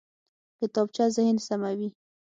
کتابچه ذهن سموي